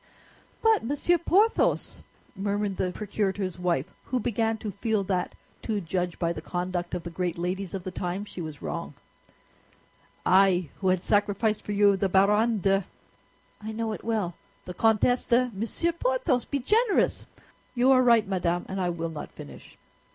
"But, Monsieur Porthos," murmured the procurator's wife, who began to feel that, to judge by the conduct of the great ladies of the time, she was wrong. "I, who had sacrificed for you the Baronne de—" "I know it well." "The Comtesse de—" "Monsieur Porthos, be generous!" "You are right, madame, and I will not finish."